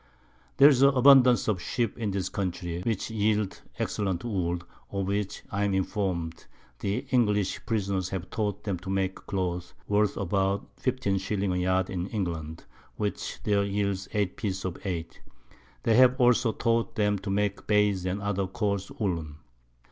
There's abundance of Sheep in this Country, which yield excellent Wool, of which, I am inform'd, the English Prisoners have taught them to make Cloth, worth about 15_s._ a Yard in England, which there yields 8 Pieces of 8; They have also taught them to make Bays and other coarse Woollen.